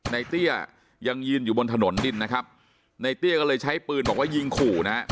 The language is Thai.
เตี้ยยังยืนอยู่บนถนนดินนะครับในเตี้ยก็เลยใช้ปืนบอกว่ายิงขู่นะฮะ